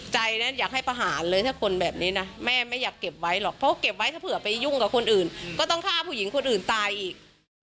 ใจนะอยากให้ประหารเลยถ้าคนแบบนี้นะแม่ไม่อยากเก็บไว้หรอกเพราะเก็บไว้ถ้าเผื่อไปยุ่งกับคนอื่นก็ต้องฆ่าผู้หญิงคนอื่นตายอีก